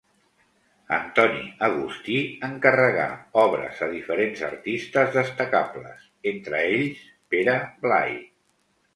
Antoni Agustí encarregà obres a diferents artistes destacables, entre ells Pere Blai.